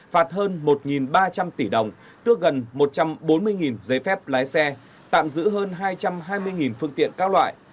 phạt hơn một ba trăm linh tỷ đồng tước gần một trăm bốn mươi giấy phép lái xe tạm giữ hơn hai trăm hai mươi phương tiện các loại